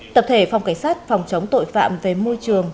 tập thể phòng cảnh sát phòng chống tội phạm về môi trường